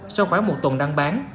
sau khoảng một tuần đăng bán